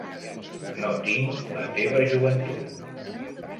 No tinc la teva joventut.